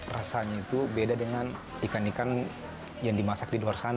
rasanya itu beda dengan ikan ikan yang dimasak di luar sana